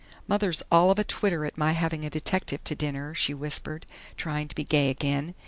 "Mother's all of a twitter at my having a detective to dinner," she whispered, trying to be gay again.